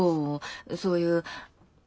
そういう。